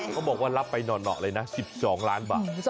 เขาบอกว่ารับไปหน่อเลยนะ๑๒ล้านบาท